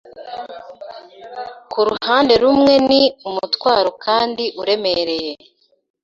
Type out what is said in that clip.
Ku ruhande rumwe ni umutwaro kandi uremereye